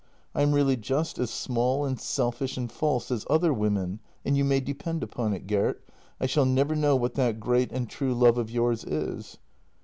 I am really just as small and selfish and false as other women, and you may depend upon it, Gert, I shall never know what that great and true love of yours is."